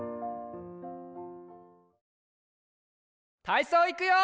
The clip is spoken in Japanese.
たいそういくよ！